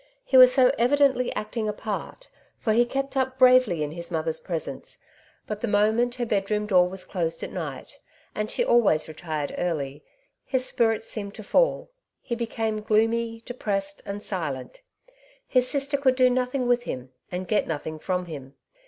He was so evidently acting a part, for he kept up bravely in his mother's presence ; but the moment her bedroom door was closed at night (and she always retired early) his I Nettie's Neighbours, 139 spirits seemed to fall, he becafine gloomy, depressed, and silent; his sister could do nothing with him, and get nothing from him.